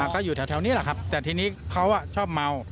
ก็อยู่แถวนี้แหละครับแต่ทีนี้เขาชอบเมา